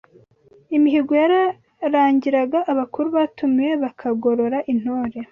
Imihigo yararangiraga abakuru batumiwe bakagorora intore